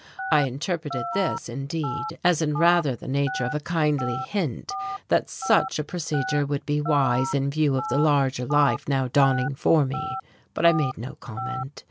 I interpreted this, indeed, as in rather the nature of a kindly hint that such a procedure would be wise in view of the larger life now dawning for me, but I made no comment....